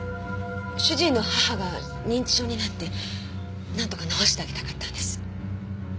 主人の母が認知症になってなんとか治してあげたかったんです。